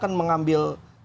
dia akan mengambil